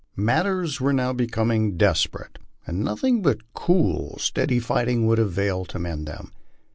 Matters were now becoming desperate, and nothing but cool, steady fight ing would avail to mend them.